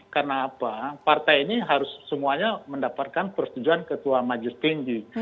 karena apa partai ini harus semuanya mendapatkan persetujuan ketua majus tinggi